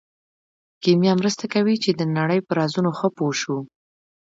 کیمیا مرسته کوي چې د نړۍ په رازونو ښه پوه شو.